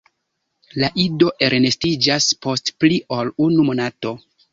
La ido elnestiĝas post pli ol unu monato.